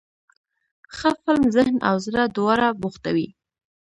ښه فلم ذهن او زړه دواړه بوختوي.